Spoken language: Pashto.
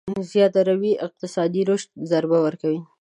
زياده روي اقتصادي رشد ضربه ورکوي.